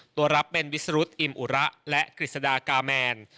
ตัวรับเป็นวิสรุธอิมอุระและกฤษฎากาแมน